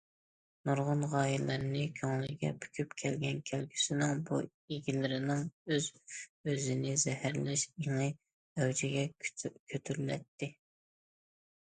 نۇرغۇن غايىلەرنى كۆڭلىگە پۈكۈپ كەلگەن كەلگۈسىنىڭ بۇ ئىگىلىرىنىڭ ئۆز- ئۆزىنى زەھەرلەش ئېڭى ئەۋجىگە كۆتۈرۈلەتتى.